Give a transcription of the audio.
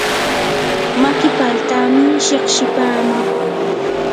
maki paltami shiqshipaaman.